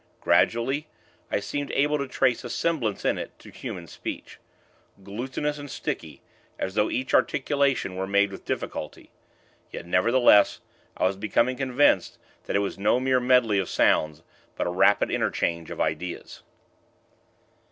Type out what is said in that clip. Gradually, I seemed able to trace a semblance in it to human speech glutinous and sticky, as though each articulation were made with difficulty: yet, nevertheless, I was becoming convinced that it was no mere medley of sounds; but a rapid interchange of ideas.